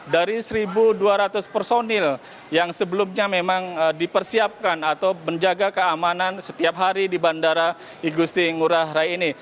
dari satu dua ratus personil yang sebelumnya memang dipersiapkan atau menjaga keamanan setiap hari di bandara igusti ngurah rai ini